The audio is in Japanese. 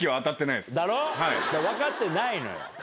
だろ？分かってないのよ。